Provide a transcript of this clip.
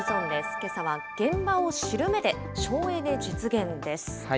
けさは現場を知る目で省エネ実現です。